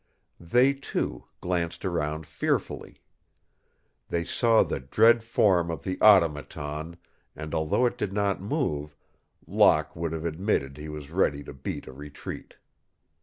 They, too, glanced around fearfully. They saw the dread form of the Automaton and, although it did not move, Locke would have admitted he was ready to beat a retreat.